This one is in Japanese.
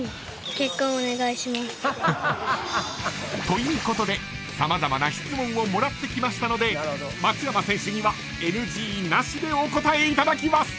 ［ということで様々な質問をもらってきましたので松山選手にはＮＧなしでお答えいただきます］